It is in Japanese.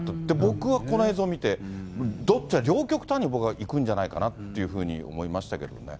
僕はこの映像見て、どっちか、両極端にいくんじゃないかなっていうふうに思いましたけどね。